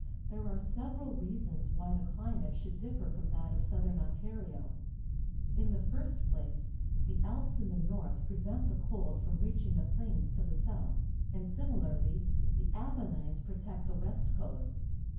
There are several reasons why the climate should differ from that of Southern Ontario. In the first ■n inds from reaching the plains to the south, and, similarly, the Apennines protect the west coast.